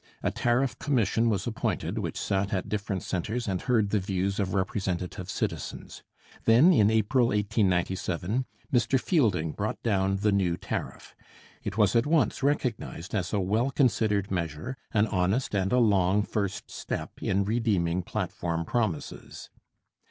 A tariff commission was appointed which sat at different centres and heard the views of representative citizens. Then in April 1897 Mr Fielding brought down the new tariff. It was at once recognized as a well considered measure, an honest and a long first step in redeeming platform promises.